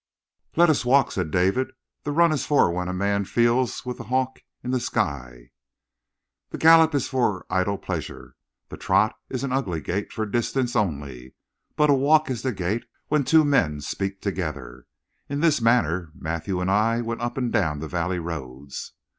"Let us walk," said David. "The run is for when a man feels with the hawk in the sky; the gallop is for idle pleasure; the trot is an ugly gait, for distance only; but a walk is the gait when two men speak together. In this manner Matthew and I went up and down the valley roads.